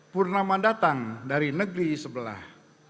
purnama datang dari negeri sebelah